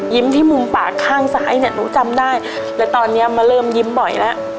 ที่มุมปากข้างซ้ายเนี่ยหนูจำได้และตอนนี้มาเริ่มยิ้มบ่อยแล้ว